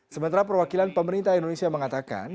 sementara perwakilan pemerintah indonesia mengatakan